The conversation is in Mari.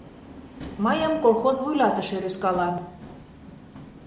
Мыйым колхоз вуйлатыше рӱзкала.